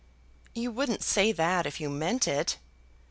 "You wouldn't say that if you meant it."